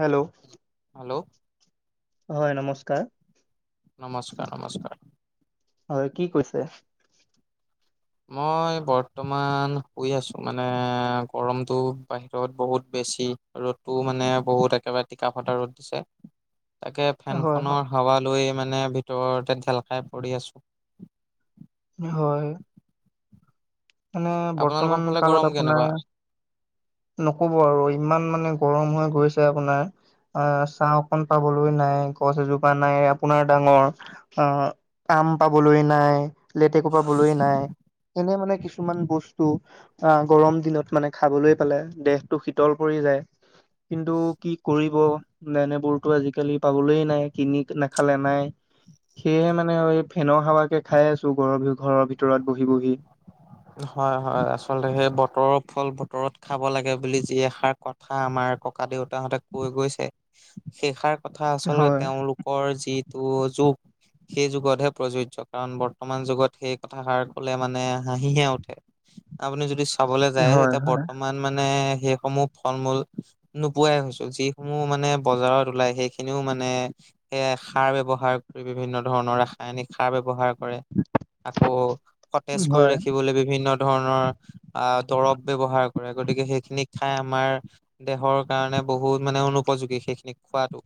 Hello. Hello. হয়, নমস্কাৰ। নমস্কাৰ, নমস্কাৰ। হয়, কি কৈছে? মই বৰ্তমান শুই আছোঁ, মানে গৰমটো বাহিৰত বহুত বেছি। ৰ'দটো মানে বহুত একেবাৰে টিকা ফটা ৰ'দ দিছে। [unintelligible] তাকে ফেন হয় খনৰ হাৱা লৈ মানে ভিতৰতে ঢেল খাই পৰি আছোঁ। হয়। মানে আপোনালোকৰ বৰ্তমান ফালে গৰম কালত আপোনাৰ কেনেকুৱা নক'ব আৰু ইমান মানে গৰম হৈ গৈছে আপোনাৰ আ, ছাহ অকণ পাবলৈ নাই, গছ এজোপা নাই আপোনাৰ ডাঙৰ আ, আম পাবলৈ নাই, লেতেকু পাবলৈ নাই এনে মানে কিছু ছুমান বস্তু আ, গৰম দিনত মানে খাবলৈ পালে দেহটো শীতল পৰি যায়। কিন্তু কি কৰিব এনেবোৰতো আজিকালি পাবলৈ নাই, কিনি নাখালে নাই। সেয়েহে মানে আৰু এই ফেনৰ হাৱাকে খাই আছোঁ ঘৰৰ বিহ-ঘৰৰ ভিতৰত বহি বহি। হয় হয়, আচলতে সেই বতৰৰ ফল বতৰত খাব লাগে বুলি যি এষাৰ কথা আমাৰ ককা দেউতাহঁতে কৈ গৈছে সেইষাৰ কথা আচলতে হয়, তেওঁলোকৰ যিটো যুগ সেই যুগতহে প্ৰযোজ্য কাৰণ বৰ্তমান যুগত সেই কথাষাৰ ক'লে মানে হাঁহিহে উঠে। আপুনি যদি চাবলে যায় হয়, এতিয়া হয়, বৰ্তমান ইমান মানে সেইসমূহ ফল মূল নোপোৱায়ে হৈছোঁ, যিসমূহ মানে বজাৰত ওলাই সেইখিনিও মানে সেয়ে সাৰ ব্যৱহাৰ কৰি বিভিন্ন ধৰণৰ, ৰাসায়নিক সাৰ ব্যৱহাৰ কৰে। আকৌ সতেজ কৰি হয়, ৰাখিবলৈ বিভিন্ন ধৰণৰ আ, দৰৱ ব্যৱহাৰ কৰে গতিকে সেইখিনিক খাই আমাৰ দেহৰ কাৰণে বহুত মানে অনুপযোগী সেইখিনিক খোৱাটো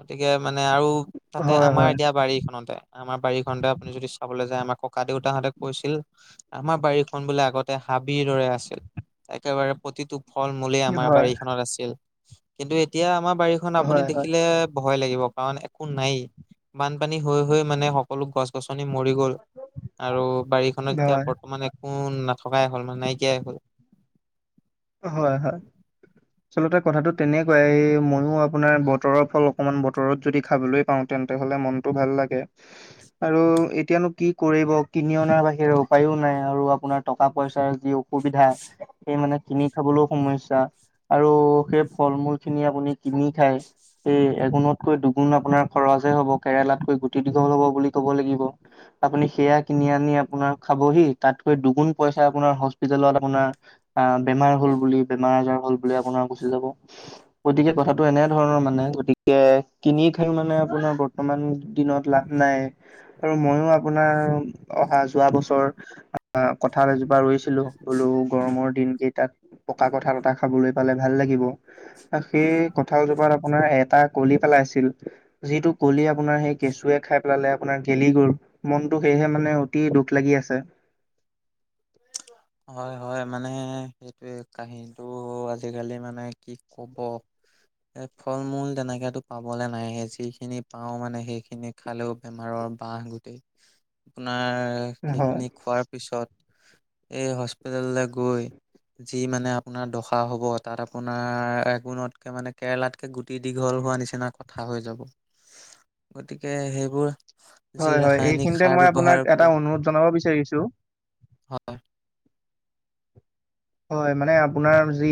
গতিকে মানে আৰু তাতে হয়, হয়, আমাৰ এতিয়া বাৰীখনতে আমাৰ বাৰীখনতে আপুনি যদি চাবলৈ যায় আমাৰ ককা দেউতাহঁতে কৈছিল আমাৰ বাৰীখন বোলে আগতে হাবিৰ দৰে আছিল, একেবাৰে প্ৰতিটো ফল মূলে আমাৰ হয়, বাৰীখনত আছিল কিন্তু এতিয়া আমাৰ বাৰীখন আপুনি হয়, হয়। দেখিলে ভয় লাগিব কাৰণ একো নায়েই, বানপানী হৈ হৈ মানে সকলো গছ গছনি মৰি গ'ল। আৰু বাৰীখনত এতিয়া বৰ্তমান একো নাথকাই হ'ল মানে নাইকিয়াই হ'ল। হয় হয়। আচলতে কথাটো তেনেকুৱাই, ময়ো আপোনাৰ বতৰৰ ফল অকমান বতৰত যদি খাবলৈ পাওঁ তেন্তে হ'লে মনটো ভাল লাগে। আৰু এতিয়ানো কি কৰিব কিনি অনাৰ বাহিৰে উপায়ও নাই আৰু আপোনাৰ টকা পইচাৰ যি সুবিধা সেই মানে কিনি খাবলৈও সমস্যা আৰু সেই ফল মূলখিনি আপুনি কিনি খায় এই এগুণতকৈ দুগুণ আপোনাৰ খৰচে হ'ব, কেৰেলাতকৈ গুটি দীঘল হ'ব বুলি ক'ব লাগিব। আপুনি সেয়া কিনি আনি আপোনাৰ খাবহি তাতকৈ দুগুণ পইচা আপোনাৰ হস্পিতেলত আপোনাৰ আহ, বেমাৰ হ'ল বুলি, বেমাৰ আজাৰ হ'ল বুলি আপোনাৰ গুচি যাব। গতিকে কথাটো এনেধৰণৰ মানে গতিকে কিনি খাই মানে আপোনাৰ বৰ মান দিনত লাভ নাই। আৰু ময়ো আপোনাৰ অহা যোৱা বছৰ কঠাল এজোপা ৰুইছ ছিলো, বুলো গৰমৰ দিনকেইটাত পকা কঁঠাল এটা খাবলৈ পালে ভাল লাগিব। সেই কঁঠালজোপাত আপোনাৰ এটা কলি পেলাইছিল যিটো কলি আপোনাৰ সেই কেঁচুৱে খাই পেলালে আপোনাৰ গেলি‌ গল। মনটো সেয়েহে মানে অতি দুখ লাগি আছে। হয় হয় মানে সেইটোৱে কাহিনীটো আজিকালি মানে কি কব। এ ফল মূল তেনেকটো পাবলে নাইহে যিখিনি পাওঁ মানে সেইখিনিক। খালেও বেমাৰৰ বাহ গোটেই আপোনাৰ হয় সেইখিনি খোৱাৰ পিছত। এই হস্পিতেলৈ গৈ। যি মানে আপোনাৰ দখা হ'ব তাত আপোনাৰ এগুণতকে মানে কেৰেলাত। কে গুটি দীঘল হোৱা নিচিনা কথা হৈ যাব। [unintelligible] গতিকে সেইবোৰ। যি হয় হয় ৰাসায়নিক এইখিনিতে সাৰ মই আপোনাক ব্যৱহাৰ এটা কৰে অনুৰোধ জনাব বিচাৰিছোঁ। অহ। হয় মানে আপোনাৰ যি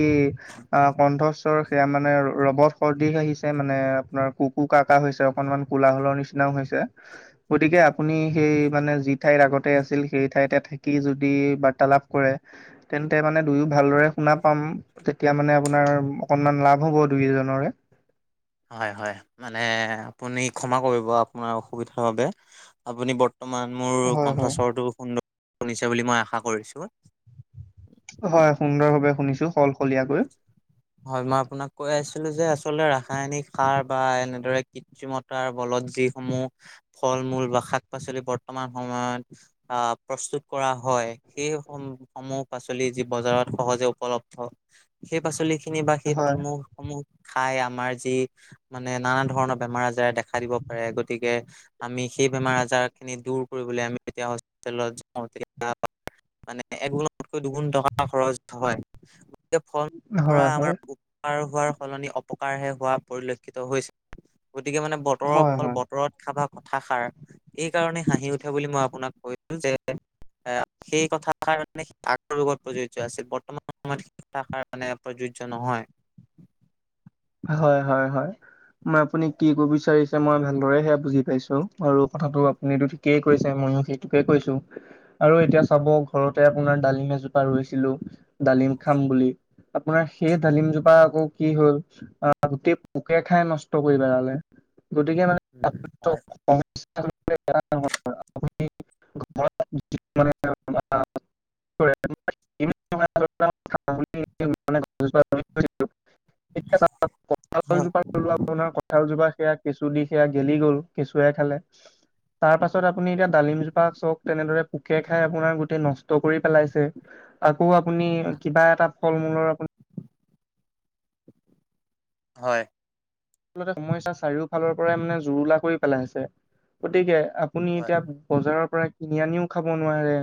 অহ কণ্ঠ। ৰ সেয়া মানে ৰ 'বত সদৃশ আহিছে মানে আপোনাৰ কু কু কা কা হৈছে অকনমান। কোলাহলৰ নিচিনাও হৈছে। গতিকে আপুনি সেই মানে যি ঠাইত আগতে আছিল সেই ঠাইতে থাকি যদি বাৰ্তা লাভ। কৰে। তে মানে দুয়ো ভালদৰে শুনা পাম। তেতিয়া মানে আপোনাৰ অকনমান লাভ হ'ব দুইজনৰে। হয় হয় মানে আপুনি ক্ষমা কৰিব আপোনাৰ অসুবিধাৰ বাবে আপুনি ব। ৰ্তমান মোৰ হয়, হয়, কণ্ঠস্বৰটো সুন্দৰ শুনিছে বুলি মই আশা কৰিছো। অ হয় সুন্দৰ ভাৱে শুনিছো সলসলীয়াকৈ। হয়। মই আপোনাক কৈ আছিলো যে আচলতে ৰাসায়নিক সাৰ বা এনেদৰে কৃত্ৰিমত। তাৰ ফলত যিসমূহ ফল মূল বা শাক পাচলি বৰ্তমান সময়ত। আহ প্ৰস্তুত কৰা হয়। সেই সম সমূহ পাচলি যি বজাৰত সহজে উপলব্ধ। সেই পাচলি খিনি বা সেই হয়, ফলমূল সমূহ খাই আমাৰ যি। মানে নানা ধৰণৰ বেমাৰ আজাৰ দেখা দিব পাৰে গতিকে। আমি সেই বেমাৰ আজাৰ খিনি দূৰ কৰিবলে আমি যেতিয়া হস্পিতেল যাওঁ তেতিয়া। মানে একগুণতকৈ দুগুণ টকা খৰচ হয় গতিকে ফল। পৰা হয়, হয়, আমাৰ উপকাৰ হোৱাৰ সলনি অপকাৰহে হোৱা পৰিলক্ষিত হৈছে গতিকে মানে। বতৰৰ হয়, হয়। ফল বতৰত খাবা কথাষাৰ। এই কাৰণে হাঁহি উঠে বুলি মই আপোনাক কৈছো যে। এ সেই কথাষাৰ কাৰণে আগৰ যুগত প্ৰযোজ্য আছিল বৰ্তমান সময়ত শিক্ষাৰ কাৰণে প্ৰযোজ্য নহয়। এ হয় হয় হয়। মই আপুনি কি কব বিচাৰিছে। মই ভালদৰে সেয়া বুজি পাইছোঁ আৰু কথাটো আপুনিতো থি। কেই কৈছে ময়ো সেইটোকে কৈছো। আৰু এতিয়া চাব ঘৰতে আপোনাৰ ডালিম এজোপা ৰুইছিলোঁ ডালিম খাম বুলি। আপোনাৰ সেই ডালিম জোপা আকৌ কি হ'ল। অহ গোটেই পোকে খাই নষ্ট কৰি পেলালে গতিকে মানে। উম হয়। অ [unintelligible] [unintelligible] ৰোলো আও হয়। আপোনাৰ কঁঠালজোপা সেয়া কেঁচু দি সেয়া গেলি গ'ল কেঁচুৱে খালে। তাৰ পাছত আপুনি এতিয়া ডালিম জোপা চক তেনেদৰে পোকে খাই আপোনাৰ গোটেই নষ্ট কৰি পেলাইছে। আকৌ আপুনি কিবা এটা ফল মূলৰ আপু। হয়। আচলতে সমস্যা চাৰিওফালৰ পৰাই মানে জুৰুলা কৰি পেলাইছে, গতিকে আপুনি এতিয়া বজাৰৰ পৰা কিনি আনিও খাব নোৱাৰে।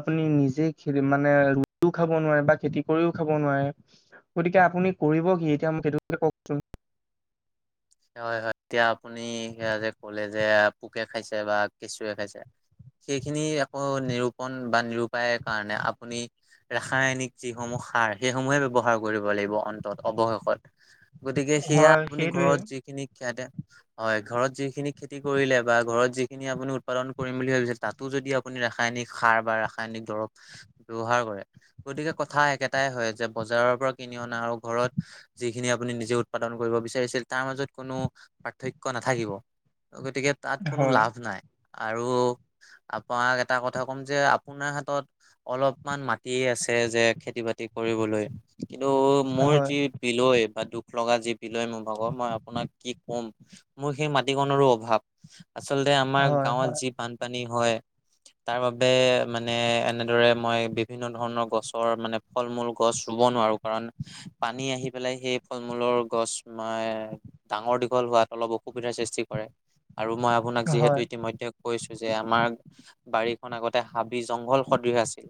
আপুনি নিজে খে মানে ৰুইও খাব নোৱাৰে বা খেতি কৰিও খাব নোৱাৰে। গতিকে আপুনি কৰিব কি এতিয়া মোক সেইটো কথা কওক। হয় হয়, এতিয়া আপুনি সেয়া যে কলে যে পোকে খাইছে বা কেঁচুৱে খাইছে। সেইখিনি আকৌ নিৰূপণ বা নিৰূপায়ৰ কাৰণে আপুনি ৰাসায়নিক যিসমূহ সাৰ সেইসমূহে ব্যৱহাৰ কৰিব লাগিব অন্তত অৱশেষত। গতিকে সেয়া হয় আপুনি সেইটোৱে ঘৰত যিখিনি খ্যাতে হয়, ঘৰত যিখিনি খেতি কৰিলে বা ঘৰত যিখিনি আপুনি উৎপাদন কৰিম বুলি ভাবিছে তাত। টো যদি আপুনি ৰাসায়নিক সাৰ বা ৰাসায়নিক দৰৱ। ব্যৱহাৰ কৰে, গতিকে কথা একেটাই হয় যে বজাৰৰ পৰা কিনি অনা আৰু ঘৰত যিখিনি আপুনি নিজে উৎপাদন কৰিব বিচাৰিছিল তাৰ মাজত কোনো পাৰ্থক্য নাথাকিব, গতিকে তাত কোনো হয় লাভ নাই। আৰু আপোনাক এটা কথা ক'ম যে আপোনাৰ হাতত অলপমান মাটি আছে যে খেতি বাতি কৰিবলৈ। কিন্তু মোৰ হয় যি বিলয় বা দুখ লগা যি বিলয় মোৰ ভাগৰ মই আপোনাক কি কম মোৰ সেই মাটিকনৰো অভাৱ। আচলতে আমাৰ হয় গাঁৱত হয় যি বান পানী হয়। তাৰ বাবে মানে এনেদৰে মই বিভিন্ন ধৰণৰ গছৰ মানে ফল-মূল গছ ৰুব নোৱাৰোঁ। কাৰণ পানী আহি পেলাই সেই ফল-মূলৰ গছ তোমাৰ ডাঙৰ দীঘল হোৱাত অলপ অসুবিধাৰ সৃষ্টি কৰে, আৰু মই আপোনাক হয়। যিহেতু ইতিমধ্যে কৈছো যে আমাৰ বাৰীখন আগতে হাবি-জংঘল সদৃহ আছিল।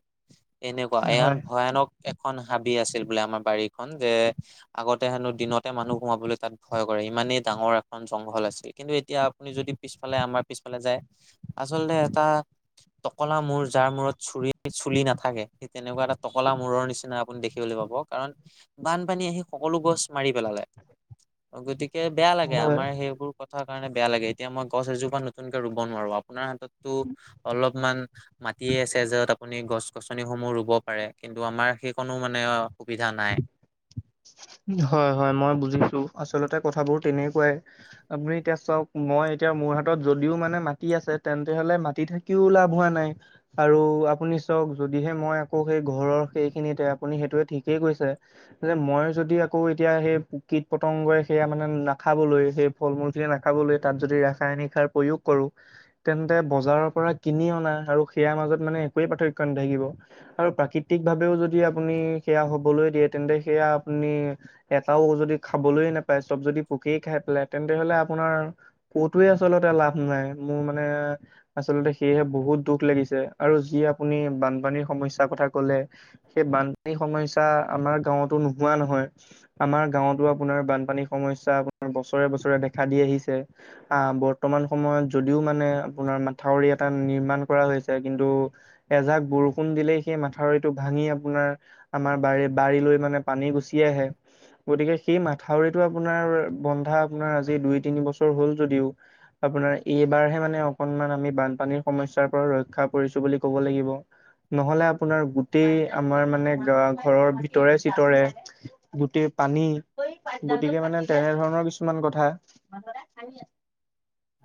এনেকুৱা হয়, ইমান ভয়ানক এখন হাবি আছিল বোলে আমাৰ বাৰীখনন যে আগতে হেনো দিনতে মানুহ সোমাবলৈ তাত ভয় কৰে, ইমানেই ডাঙৰ এখন জংঘল আছিল। কিন্তু এতিয়া আপুনি যদি পিছফালে আমাৰ পিছফালে যায়। আচলতে এটা টকলা মূৰ যাৰ মূৰত চুৰি চুলি নাথাকে, সেই তেনেকুৱা এটা টকলা মূৰৰ নিচিনা আপুনি দেখি [unintelligible] কাৰণ, বানপানী আহি সকলো গছ মাৰি পেলালে। অ' গতিকে বেয়া লাগে, হয়, আমাৰ সেইবোৰ কথা কাৰণে বেয়া লাগে, এতিয়া মই গছ এজোপা নতুনকে ৰুব নোৱাৰো। আপোনাৰ হাততটো অলপমান মাটিয়ে আছে, য'ত আপুনি গছ-গছনিসমূহ ৰুব পাৰে, কিন্তু আমাৰ সেইকনো মানে আও সুবিধা নাই। হয় হয় মই বুজি পালোঁ, আচলতে কথাবোৰ তেনেকুৱাই। আপুনি এতিয়া চাওক মই এতিয়া মোৰ হাতত যদিও মানে মাটি আছে তেন্তে হলে মাটি [unintelligible] তেওঁ লাভ হোৱা নাই। আৰু আপুনি চাওক, যদিহে মই আকৌ' সেই ঘৰৰ সেইখিনিতে আপুনি সেইটোয়ে ঠিক। কে কৈছে। যে মই যদি আকৌ এতিয়া সেই কীট-পতংগই সেয়া মানে নাখাবলৈ। সেই- ফল-মূল খিনি নাখাবলৈ তাত যদি ৰাসায়নিক সাৰ প্ৰয়োগ কৰো। তেন্তে বজাৰৰ পৰা কিনি অনা আৰু সেয়াৰ মাজত মানে একোৱে পাৰ্থক্য নাথাকিব। আৰু প্ৰাকৃতিক ভাৱেও যদি আপুনি সেয়া হবলৈ দিয়ে তেন্তে সেয়া আপুনি এটাও যদি খাবলৈ নেপায়, চব যদি পোকেই খাই পেলাই। তেন্তে হলে আপোনাৰ ক'তোৱে আচলতে লাভ নাই। মোৰ মানে আচলতে সেয়েহে বহুত দুখ লাগিছে। আৰু যি আপুনি বানপানীৰ সমস্যাৰ কথা ক'লে সেই বানপানী সমস্যা আমাৰ গাঁৱতো নোহোৱা নহয়। আমাৰ গাঁৱতো আপোনাৰ বানপানীৰ সমস্যা আপোনাৰ বছৰে-বছৰে দেখা দি আহিছে। আহ', বৰ্তমান সময়ত যদিও মানে আপোনাৰ মাথাউৰি এটা নিৰ্মাণ কৰা হৈছে। কিন্তু এজাক বৰষুণ দিলেই সেই মাথাউৰিটো ভাঙি আপোনাৰ আমাৰ বাৰী-বাৰীলৈ মানে পানী গুচি আহে। গতিকে, সেই মাথাউৰিটো আপোনাৰ বন্ধা আপোনাৰ আজি দুই-তিনি বছৰ হ'ল যদিওঁ আপোনাৰ এইবাৰহে মানে অকনমান আমি বানপানীৰ সমস্যাৰ পৰা ৰক্ষা পৰিছোঁ বুলি ক'ব লাগিব। নহ'লে আপোনাৰ গোটেই আমাৰ মানে ঘৰৰ ভিতৰে-চিতৰে গোটেই পানী। গতিকে মানে তেনে ধৰণৰ কিছুমান কথা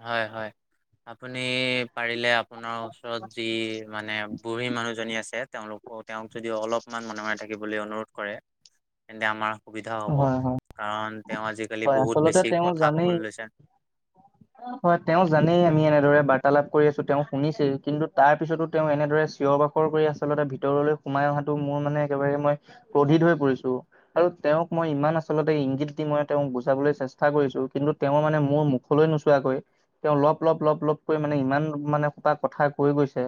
হয়, হয়, আপুনি পাৰিলে আপোনাৰ ওচৰত যি মানে বুঢ়ী মানুহজনী আছে, তেওঁলোকৰ তেওঁক যদি অলপমান মনে- মনে থাকিবলৈ অনুৰোধ কৰে, তেন্তে আমাৰ সুবিধা হ'ব, হয় হয় কাৰণ তেওঁ আজিকালি হয় বহুত আচলতে বেছি তেওঁ কথা জানেই ক'বলৈ লৈছে। [inaudible] হয়, তেওঁ জানেই, আমি এনেদৰে বাৰ্তালাপ কৰি আছোঁ। তেওঁ শুনিছেই, কিন্তু তাৰ পিছতো তেওঁ এনেদৰে চিঞৰ বাখ [unintelligible] আচলতে ভিতৰলৈ সোমাই অহাটো মোৰ মানে একেবাৰে মই ক্ৰোধিত হৈ পৰিছোঁ। তেওঁক মই ইমান আচলতে ইংগিত দি মই তেওঁক বুজাবলৈ চেষ্টা কৰিছো। কিন্তু তেওঁ মানে মোৰ মুখলৈ নোচোৱাকৈ তেওঁ লগপ-লগপ-লগপ-লগপ কৈ মানে ইমান মানে সোপা কথা কৈ গৈছে।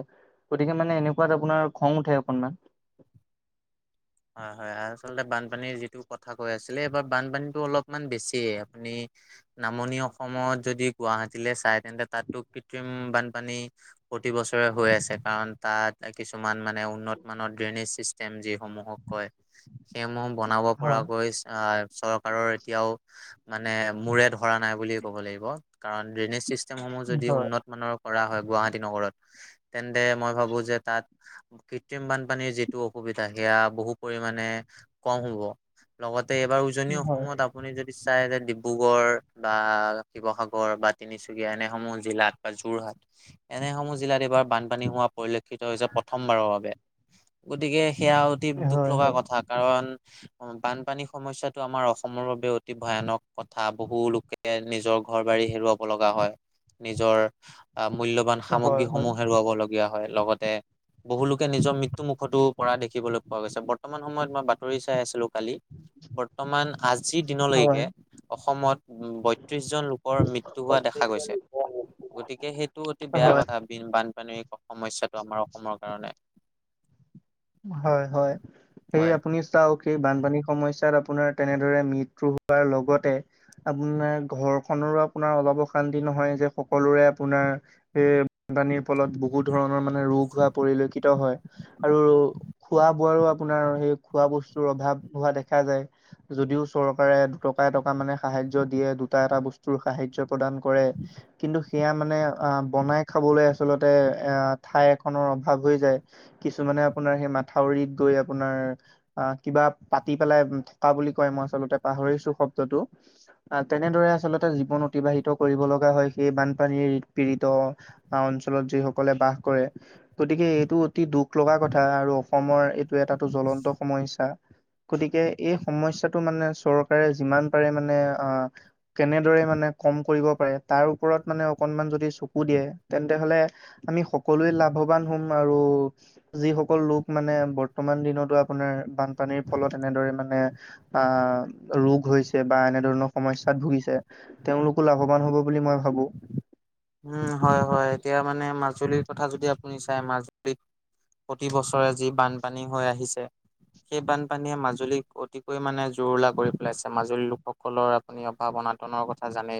গতিকে মানে এনেকুৱাত আপোনাৰ খং উঠে অকনমান। হয়, হয়, আচলতে বানপানীৰ যিটো কথা কৈ আছিলে, এইবাৰ বানপানীতটো অলপমান বেছিয়েই। আপুনি নামনি অসমত যদি গুৱাহাটীলৈ চাই তেন্তে তাতো কৃত্ৰিম বানপানী প্ৰতিবছৰে হৈ আছে, কাৰণ তাত কিছুমান মানে উন্নতমানৰ ড্ৰেইনেজ ছিষ্টেম যিসমূহক কয়, সেইসমূহ বনাব হয় পৰাকৈ আহ চৰ কাৰৰ এতিয়াও মূৰে ধৰা নাই বুলিয়েই ক'ব লাগিব। কাৰণ ড্ৰেনিজ চিছ ষ্টেম সমূহ যদি হয় উন্নত মানৰ কৰা হয়, গুৱাহাটী নগৰত, তেন্তে মই ভাবো যে তাত কৃত্ৰিম বানপানীৰ যিটো অসুবিধা সেয়া বহুত পৰিমাণে কম হ'ব। লগতে এইবাৰ উজনি হয় অসমত আপুনি যদি চাই যে ডিব্ৰুগড় বা শিৱসাগৰ বা তিনিচুকীয়া এনেসমূহ জিলাত বা যোৰহাট, এনেসমূহ জিলাত এইবাৰ বানপানী হোৱা পৰিলক্ষিত হৈছে প্ৰথমবাৰৰ বাবে। গতিকে সেয়া অতি দুখ হয় লগা হয় কথা, কাৰণ বানপানী সমস্যাটো আমাৰ অসমৰ বাবে অতি ভয়ানক কথা। বহু লোকে নিজৰ ঘৰ-বাৰী হেৰুৱাব লগা হয়। নিজৰ মূল্যবান হয় হয় সামগ্ৰীসমূহ হেৰুৱাব লগ গীয়া হয়। লগতে বহুলোকে নিজৰ মৃত্যু মুখতো পৰা দেখিবলৈ পোৱা গৈছে। বৰ্তমান সময়ত মই বাতৰি চাই আছিলো কালি, বৰ্তমান আজিৰ দিনলৈকে হয় অসমত উ, বত্ৰিশ জন লোকৰ মৃত্যু হোৱা দেখা গৈছে। গতিকে সেইটো অতি বেয়া হয় কথা। বানপানীৰ সমস্যাটো আমাৰ অসমৰ কাৰণে হয়, হয়, সেই হয় আপুনি [unintelligible] বানপানী সমস্যাত আপোনাৰ তেনেদৰে মৃত্যু হোৱাৰ লগতে আপোনাৰ ঘৰখনৰো আপোনাৰ অলপ অশান্তি নহয় যে, সকলোৰে আপোনাৰ এ, বানপানীৰ ফলত বহুত ধৰণৰ মানে ৰোগ হোৱা পৰিলক্ষিত হয় আৰু খোৱা বোৱাৰো আপোনাৰ সেই খোৱা বস্তুৰ অভাৱ হোৱা দেখা যায়। যদিও চৰকাৰে দুটকা-এটকা মানে সাহাৰ্য্য দিয়ে, দুটা-এটা বস্তুৰ সাহাৰ্য্য প্ৰদান কৰে কিন্তু সেয়া মানে আহ বনাই খাবলৈ আচলতে এইয়া ঠাই এখনৰ অভাৱ হৈ যায়। কিছুমানে আপোনাৰ সেই মাথাউৰিত গৈ আপোনাৰ আহ কিবা পাতি পেলাই থকা বুলি কয় মই আচলতে পাহৰিছো শব্দটো আহ তেনেদৰে আচলতে জীৱন অতিবাহিত কৰিব লগা হয় সেই বানপানীৰ পীড়িত গাওঁ অঞ্চলত যিসকলে বাস কৰে, গতিকে এইটো অতি দুখ লগা কথা কথা আৰু অসমৰ এইটো এটাটো জ্বলন্ত সমস্যা। গতিকে এই সমস্যাটো মানে চৰকাৰে যিমান পাৰে মানে আহ কেনেদৰে মানে কম কৰিব পাৰে তাৰ ওপৰত মানে অকনমান যদি চকু দিয়ে তেন্তে হলে আমি সকলোৱে লাভৱান হম আৰু যিসকল লোক মানে বৰ্তমান দিনতো আপোনাৰ বানপানীৰ ফলত এনেদৰে মানে আহ ৰোগ হৈছে বা এনে ধৰণৰ সমস্যাত ভুগিছে তেওঁলোকো লাভৱান হব বুলি মই ভাবো উম হয় হয় এতিয়া মানে মাজুলীৰ কথা যদি আপুনি চাই, মাজুলীত প্ৰতিবছৰে যি বানপানী হৈ আহিছে সেই বানপানীয়ে মাজুলীক অতিকৈ মানে জুৰুলা কৰি পেলাইছে, মাজুলী লোকসকলৰ আপুনি অভাৱ অনাটনৰ কথা জানেই